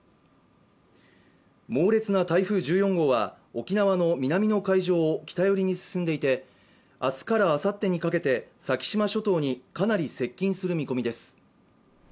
猛烈な台風１４号は沖縄の南の海上を北寄りに進んでいて、明日からあさってにかけて先島諸島にかなり接近する見込みです。